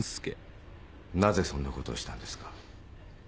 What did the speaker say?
なぜそんなことをしたんですか？